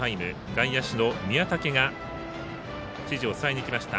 外野手の宮武が指示を伝えにいきました。